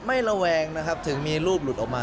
ระแวงนะครับถึงมีรูปหลุดออกมา